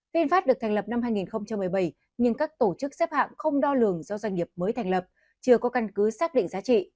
vinfast được thành lập năm hai nghìn một mươi bảy nhưng các tổ chức xếp hạng không đo lường do doanh nghiệp mới thành lập chưa có căn cứ xác định giá trị